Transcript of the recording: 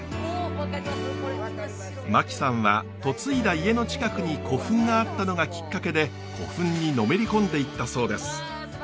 牧さんは嫁いだ家の近くに古墳があったのがきっかけで古墳にのめり込んでいったそうです。